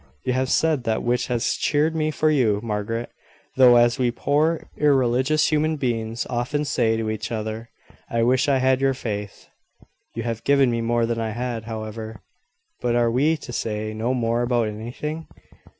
"You have said that which has cheered me for you, Margaret, though, as we poor irreligious human beings often say to each other, `I wish I had your faith.' You have given me more than I had, however. But are we to say no more about anything?